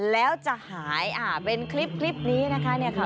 แล้วจะหายเป็นคลิปนี้นะคะ